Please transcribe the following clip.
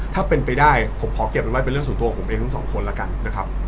ถ้าเป็นไปได้ผมขอเก็บไว้เป็นเรื่องส่วนตัวผมเองทั้งสองคนแล้วกันนะครับ